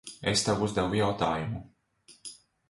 Es tev uzdevu jautājumu.